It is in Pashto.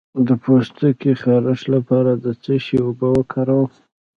د پوستکي خارښ لپاره د څه شي اوبه وکاروم؟